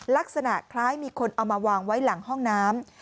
ลักษณะคล้ายมีคนเอามาวางไว้หลังห้องน้ำ